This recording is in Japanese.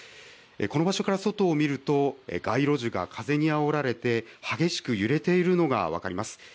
この場所から外を見ると街路樹が風にあおられて激しく揺れているのが分かります。